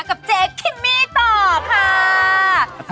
กับเจ๊คิมมี่ต่อค่ะ